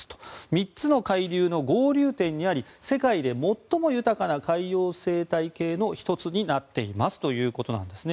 ３つの海流の合流点にあり世界で最も豊かな海洋生態系の１つになっていますということなんですね。